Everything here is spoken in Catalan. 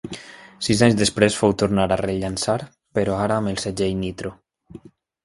Sis anys després fou tornar a rellançar però ara amb el segell Nitro.